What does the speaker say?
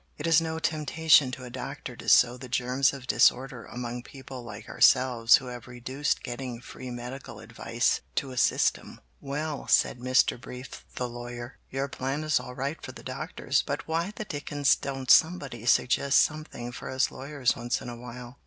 It is no temptation to a doctor to sow the germs of disorder among people like ourselves who have reduced getting free medical advice to a system." "Well," said Mr. Brief, the lawyer, "your plan is all right for the doctors, but why the Dickens don't somebody suggest something for us lawyers once in awhile?